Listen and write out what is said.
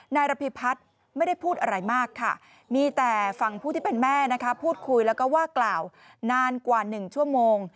นายรพีพัทธ์ไม่ได้พูดอะไรมากมีแต่ฟังผู้ที่เป็นแม่พูดคุยและกล่าวนานกว่า๑ชั่วโมง